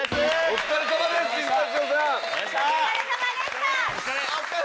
お疲れさまでした！